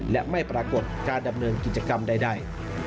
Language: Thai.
และไม่ปรากฏการดำเนินกิจกรรมใด